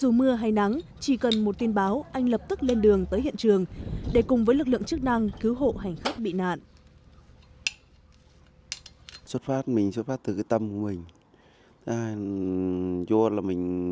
dù mưa hay nắng chỉ cần một tin báo anh lập tức lên đường tới hiện trường để cùng với lực lượng chức năng cứu hộ hành khách bị nạn